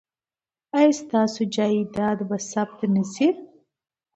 ایا ستاسو جایداد به ثبت نه شي؟